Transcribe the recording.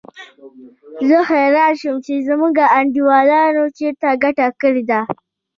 زه حیران شوم چې زموږ انډیوالانو چېرته ګټه کړې ده.